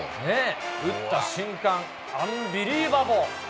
打った瞬間、アンビリーバボー。